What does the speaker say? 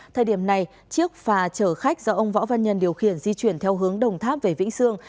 thời điểm này chiếc phà chở khách do ông võ văn nhân điều khiển di chuyển theo hướng đồng tháp về vĩnh sương